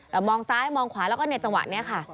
มองซ้ายมองขวาแล้วก็ในจังหวะนี้ค่ะ